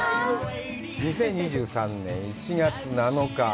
２０２３年１月７日。